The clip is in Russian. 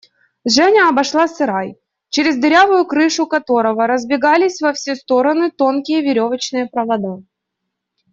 Женя обошла сарай, через дырявую крышу которого разбегались во все стороны тонкие веревочные провода.